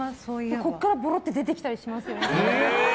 ここからボロッて出てきたりしますよね。